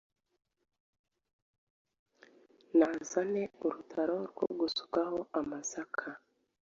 nazane urutaro rwo gusukaho amasaka.